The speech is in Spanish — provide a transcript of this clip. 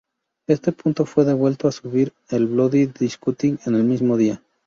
Esto pronto fue vuelto a subir el "Bloody Disgusting" en el mismo día.